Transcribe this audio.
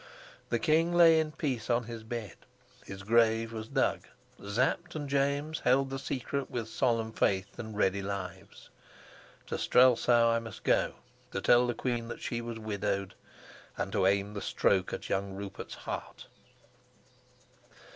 The king lay in peace on his bed, his grave was dug; Sapt and James held the secret with solemn faith and ready lives. To Strelsau I must go to tell the queen that she was widowed, and to aim the stroke at young Rupert's heart.